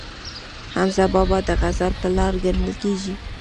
حمزه بابا د غزل پلار ګڼل کیږي.